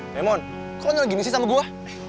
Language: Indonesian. mohon kok lu nyalah gini sih sama gue